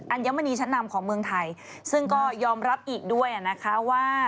ัญมณีชั้นนำของเมืองไทยซึ่งก็ยอมรับอีกด้วยนะคะว่า